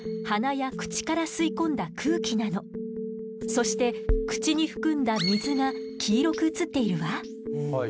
そして口に含んだ「水」が黄色く映っているわ。